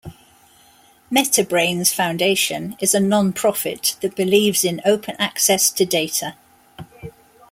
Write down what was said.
MetaBrainz Foundation is a non-profit that believes in open access to data.